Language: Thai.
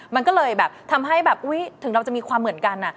มันก็เลยแบบทำให้แบบอุ๊ยถึงเราจะมีความเหมือนกัน